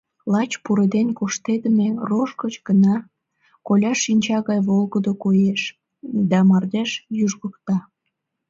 Лач пуреден коштедыме рож гыч гына коля шинча гай волгыдо коеш да мардеж южгыкта.